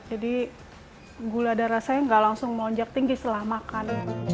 jadi gula darah saya gak langsung melonjak tinggi setelah makan